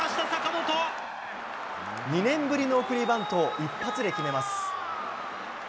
２年ぶりの送りバントを一発で決めます。